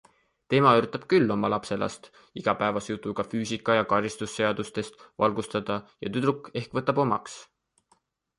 Tema üritab küll oma lapselast igapäevase jutuga füüsika- ja karistusseadustest valgustada ja tüdruk ehk võtab omaks.